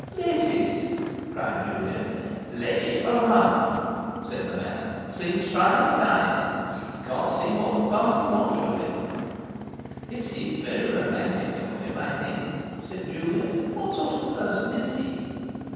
'Let it!' cried Julia. 'Let it for a month,' said the man. 'Seems strange, don't it? Can't see what the party wants with it?' 'It seems very romantic of him, I think,' said Julia, 'What sort of a person is he?